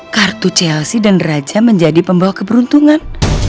kartu chelsea dan raja menjadi pembawa keberuntungan